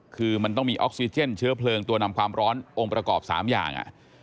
คือมันต้องมีออกซิเจนเชื้อเพลิงตัวนำความร้อนองค์ประกอบ๓อย่าง